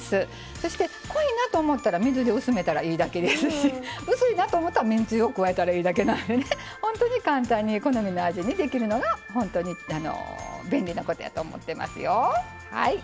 そして、濃いなと思ったら水で薄めたらいいだけですし薄いなと思ったらめんつゆを加えたらいいだけなので本当に簡単に好みの味にできるのが本当に便利なことやと思ってますよ。